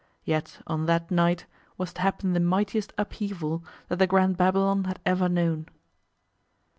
Yet on that night was to happen the mightiest upheaval that the Grand Babylon had ever known.